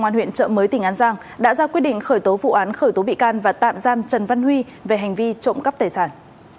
công an huyện trợ mới tỉnh an giang đã ra quyết định khởi tố vụ án khởi tố bị can và tạm giam trần văn huy về hành vi trộm cắp tài sản